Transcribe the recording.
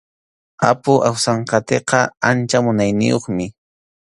Apu Awsanqatiqa ancha munayniyuqmi.